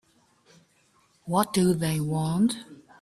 What do they want?